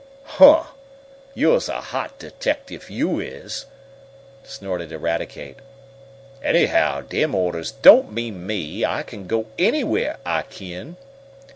"Huh! You's a hot deteckertiff, yo' is!" snorted Eradicate. "Anyhow, dem orders don't mean me! I kin go anywhere, I kin!"